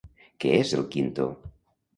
Què és el quinto?